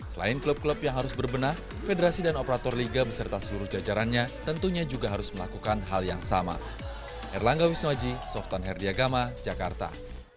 selain klub klub yang harus berbenah federasi dan operator liga beserta seluruh jajarannya tentunya juga harus melakukan hal yang sama